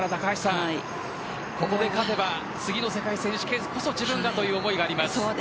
ここで勝てば次の世界選手権こそ自分だという思いがあります。